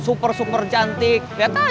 super super cantik